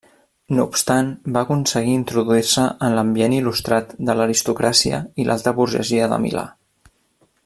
No obstant va aconseguir introduir-se en l'ambient il·lustrat de l'aristocràcia i l'alta burgesia de Milà.